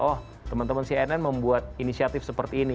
oh teman teman cnn membuat inisiatif seperti ini